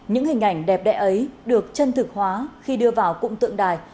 những hình ảnh đẹp đẽ ấy được chân thực hóa khi đưa vào công viên thống nhất